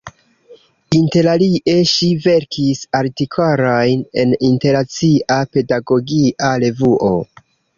Interalie ŝi verkis artikolojn en "Internacia Pedagogia Revuo.